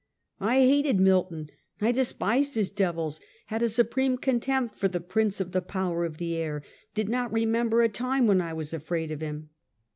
I hated Milton. I despised his devils; had a supreme con tempt for the " Prince of the Power of the Air;" did not remember a time when I was afraid of him.